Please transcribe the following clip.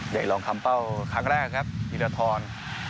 ใหญ่ลองคำเป้าครั้งแรกครับธีรทร